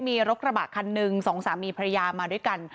มีรถกระบะคันหนึ่งสองสามีภรรยามาด้วยกัน